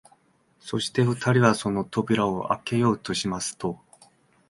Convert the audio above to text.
そして二人はその扉をあけようとしますと、